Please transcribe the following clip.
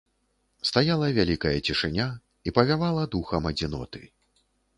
Стаяла вялікая цішыня, і павявала духам адзіноты.